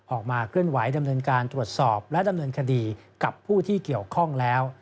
ออกมาเคลื่อนไหวดำเนินการตรวจสอบและดำเนินคดีกับผู้ที่เกี่ยวข้องแล้ว